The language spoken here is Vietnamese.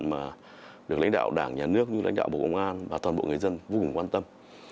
mà được lãnh đạo đảng nhà nước như lãnh đạo bộ công an và toàn bộ người dân vô cùng quan tâm